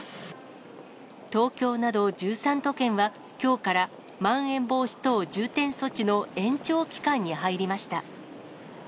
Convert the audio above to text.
東京など１３都県は、きょうからまん延防止等重点措置の延長期間に入りました。